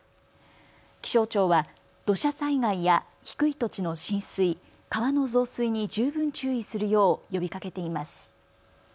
気象庁は土砂災害や低い土地の浸水、川の増水に十分注意するよう呼びかけています。